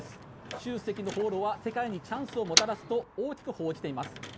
習主席の訪ロは世界にチャンスをもたらすと大きく報じています。